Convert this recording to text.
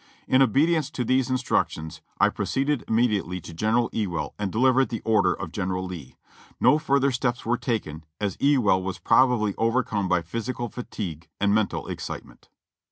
In obedience to these instructions I proceeded immediately to Gen eral Ewell and delivered the order of General Lee. No further steps were taken, as Ewell was probably overcome by physical fatigue and mental excitement."